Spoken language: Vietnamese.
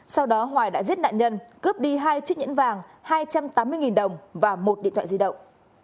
sau đó hoài đã giết nạn nhân cướp đi hai chiếc nhẫn vàng hai trăm tám mươi đồng và một điện thoại di động